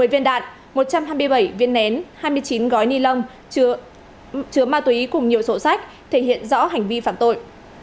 một mươi viên đạn một trăm hai mươi bảy viên nén hai mươi chín gói ni lông chứa ma túy cùng nhiều sổ sách thể hiện rõ hành vi phạm tội